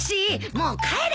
もう帰れ。